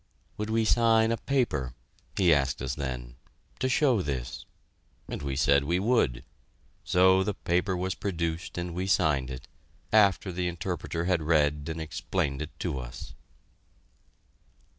Would we sign a paper he asked us then to show this? And we said we would. So the paper was produced and we signed it, after the interpreter had read and explained it to us.